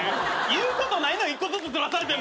言うことない１個ずつずらされても。